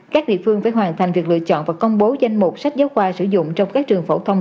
các địa phương phải hoàn thành việc lựa chọn và công bố danh mục sách giáo khoa sử dụng trong các trường phổ thông